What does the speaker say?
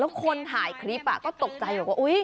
แล้วคนถ่ายคลิปอ่ะก็ตกใจจับว่า